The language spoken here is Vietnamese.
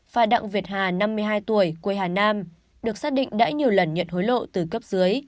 và đặng việt hà năm mươi hai tuổi quê hà nam được xác định đã nhiều lần nhận hối lộ từ cấp dưới